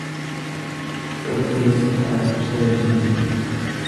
وألقي السحرة ساجدين